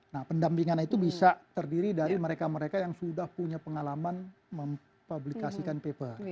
nah pendampingan itu bisa terdiri dari mereka mereka yang sudah punya pengalaman mempublikasikan paper